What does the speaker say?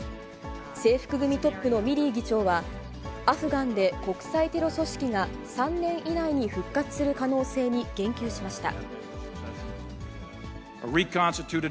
制服組トップのミリー議長は、アフガンで国際テロ組織が、３年以内に復活する可能性に言及しました。